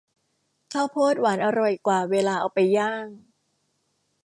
ข้าวโพดหวานอร่อยกว่าเวลาเอาไปย่าง